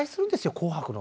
「紅白」の。